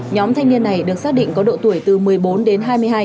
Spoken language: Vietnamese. nhóm thanh niên này được xác định có độ tuổi từ một mươi bốn đến hai mươi hai